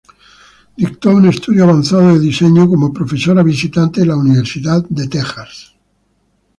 Dictó un Estudio Avanzado de Diseño como profesora visitante en la Universidad de Texas.